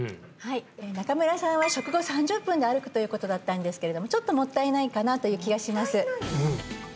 はい中村さんは食後３０分で歩くということだったんですけれどもちょっともったいないかなという気がします